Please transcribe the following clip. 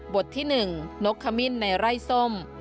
ที่๑นกขมิ้นในไร่ส้ม